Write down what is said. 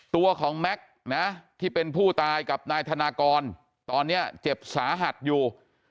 ตัวของแม็กซ์นะที่เป็นผู้ตายกับนายธนากรตอนนี้เจ็บสาหัสอยู่